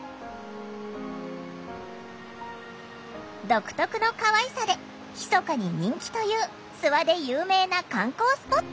独特のかわいさでひそかに人気という諏訪で有名な観光スポット。